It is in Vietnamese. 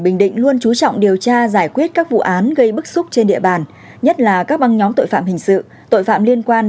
điển hình là việc điều tra xử lý các vụ việc đã để lại ấn tượng tốt trong lòng cán bộ nhân dân